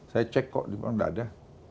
saya cek kok tidak ada